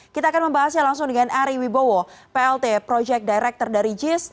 kita akan membahasnya langsung dengan ari wibowo plt project director dari jis